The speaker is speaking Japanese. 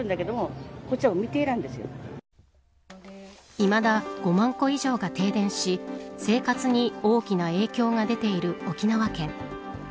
いまだ５万戸以上が停電し生活に大きな影響が出ている沖縄県。